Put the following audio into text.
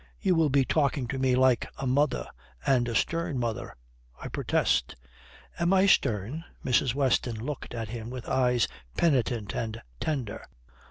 "You will be talking to me like a mother and a stern mother, I protest." "Am I stern?" Mrs. Weston looked at him with eyes penitent and tender.